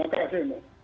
terima kasih ibu